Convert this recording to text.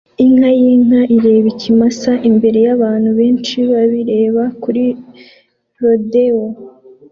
Inka yinka ireba ikimasa imbere yabantu benshi babireba kuri rodeo